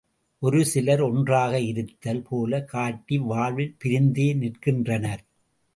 ஒரு சிலர் ஒன்றாக இருத்தல் போலக் காட்டி வாழ்வில் பிரிந்தே நிற்கின்றனர்.